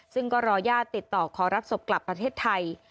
ซึ่งก็รอญาติติดต่อขอรับศพกลับประเทศไทย